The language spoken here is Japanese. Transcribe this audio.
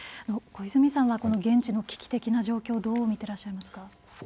小泉さんは現地の危機的な状況をどう見てらっしゃいますか？